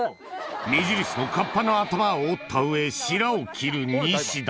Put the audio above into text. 目印のカッパの頭を折った上しらを切るニシダ